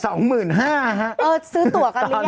ซื้อตัวกันหรือยัง